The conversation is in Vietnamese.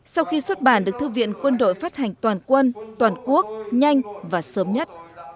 sau khi xuất bản được thư viện quân đội phát hành toàn quân toàn quốc nhanh và sớm nhất